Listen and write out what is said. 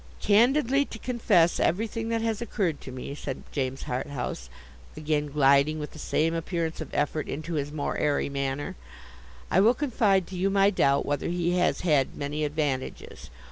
'Candidly to confess everything that has occurred to me,' said James Harthouse, again gliding with the same appearance of effort into his more airy manner; 'I will confide to you my doubt whether he has had many advantages.